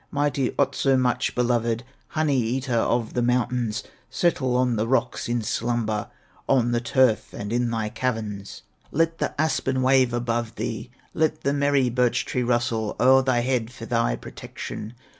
Mighty Otso, much beloved, Honey eater of the mountains, Settle on the rocks in slumber, On the turf and in thy caverns; Let the aspen wave above thee, Let the merry birch tree rustle O'er thy head for thy protection.